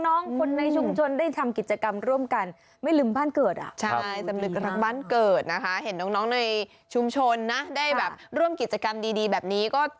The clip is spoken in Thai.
ดูดรังแล้วก็ยังคบท